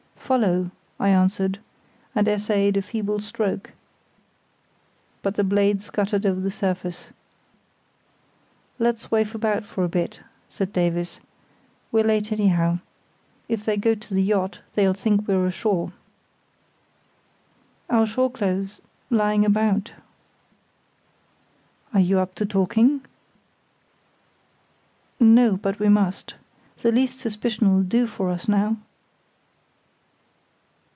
"Follow," I answered, and essayed a feeble stroke, but the blade scuttered over the surface. "Let's wait about for a bit," said Davies. "We're late anyhow. If they go to the yacht they'll think we're ashore." "Our shore clothes—lying about." "Are you up to talking?" "No; but we must. The least suspicion'll do for us now."